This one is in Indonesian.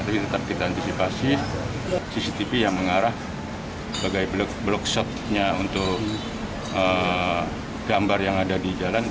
tapi tetap kita antisipasi cctv yang mengarah bagai blok shotnya untuk gambar yang ada di jalan